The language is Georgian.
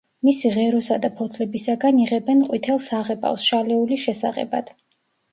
მისი ღეროსა და ფოთლებისაგან იღებენ ყვითელ საღებავს შალეულის შესაღებად.